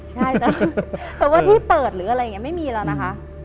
ใช่แต่ว่าที่เปิดหรืออะไรอย่างนี้ไม่มีแล้วนะคะ